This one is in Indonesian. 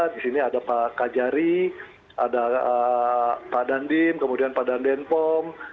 di sini ada pak kajari ada pak dandim kemudian pak dandenpom